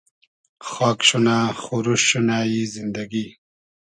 خاگ شونۂ خوروشت شونۂ ای زیندئگی